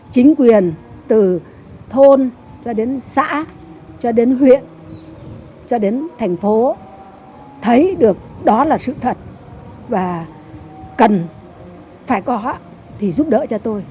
chính quyền từ thôn cho đến xã cho đến huyện cho đến thành phố thấy được đó là sự thật và cần phải có thì giúp đỡ cho tôi